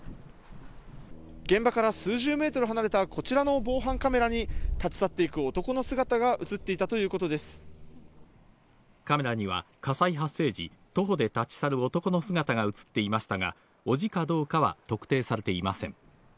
現場から数十メートル離れたこちらの防犯カメラに立ち去っていく男の姿が写っていたというこカメラには火災発生時、徒歩で立ち去る男の姿が写っていましたが、伯父かどうかは特定されていません。